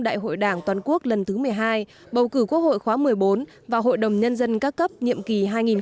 đại hội đảng toàn quốc lần thứ một mươi hai bầu cử quốc hội khóa một mươi bốn và hội đồng nhân dân các cấp nhiệm kỳ hai nghìn hai mươi một hai nghìn hai mươi sáu